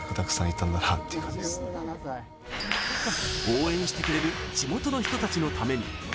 応援してくれる地元の人たちのために。